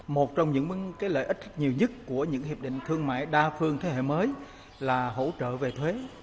một trong những lợi ích nhiều nhất của những hiệp định thương mại đa phương thế hệ mới là hỗ trợ về thuế